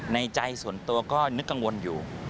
ในใจส่วนตัวก็นึกกังวลอยู่